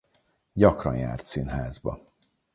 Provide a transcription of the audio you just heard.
Gyakran járt színházba.